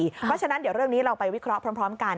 เพราะฉะนั้นเดี๋ยวเรื่องนี้เราไปวิเคราะห์พร้อมกัน